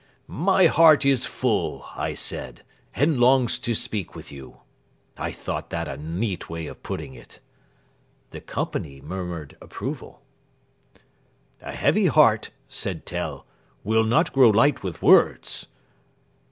"'My heart is full,' I said, 'and longs to speak with you.' I thought that a neat way of putting it." The company murmured approval. "'A heavy heart,' said Tell, 'will not grow light with words.'"